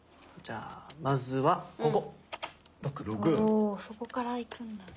おそこからいくんだ。